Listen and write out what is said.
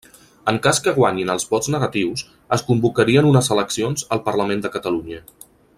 En cas que guanyin els vots negatius, es convocarien unes eleccions al Parlament de Catalunya.